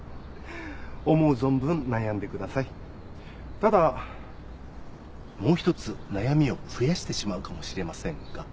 ただもう一つ悩みを増やしてしまうかもしれませんが。